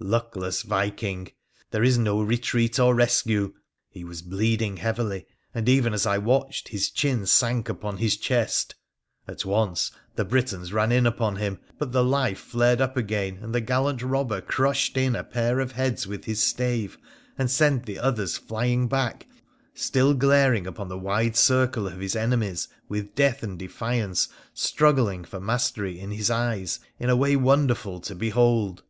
Luckless Viking ! there is no retreat or rescue ! He was bleeding heavily, and even as I watched his chin sank upon his chest. At once the Britons ran in upon him ; but the life flared up again, and the gallant robber crushed in a pair of heads with Ins stave and sent the others flying back, still glaring upon the wide circle of his enemies with death and defiance struggling for mastery in his eyes in a way won derful to behold.